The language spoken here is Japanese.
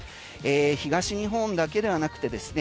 東日本だけではなくてですね